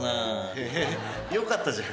へぇよかったじゃん。